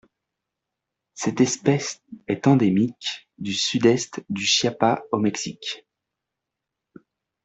Cette espèce est endémique du Sud-Est du Chiapas au Mexique.